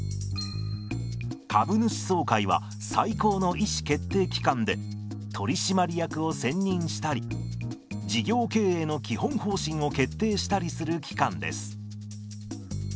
株主総会は最高の意思決定機関で取締役を選任したり事業経営の基本方針を決定したりする機関です。